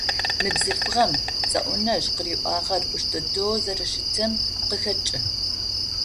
Мы бзылъфыгъэм Цэӏунэжъ къыриӏуагъэр ӏуш дэдэу зэрэщытым къыхэкӏы.